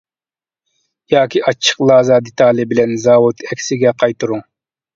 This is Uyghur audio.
ياكى ئاچچىق لازا دېتالى بىلەن زاۋۇت ئەكسىگە قايتۇرۇڭ.